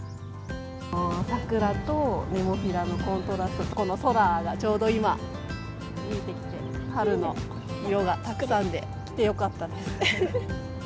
桜とネモフィラのコントラストとこの空がちょうど今、見えてきて、春の色がたくさんで、来てよかったです。